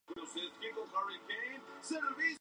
La ayuda norteamericana no formaba parte del Plan Marshall.